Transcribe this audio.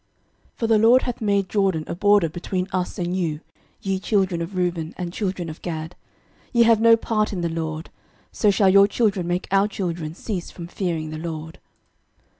06:022:025 For the LORD hath made Jordan a border between us and you, ye children of Reuben and children of Gad; ye have no part in the LORD: so shall your children make our children cease from fearing the LORD.